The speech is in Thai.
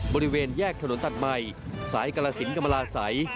บริเวณแยกถนนตัดใหม่สายกรสินกรรมราศัย